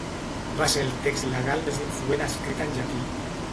Va ser el text legal més influent escrit en llatí.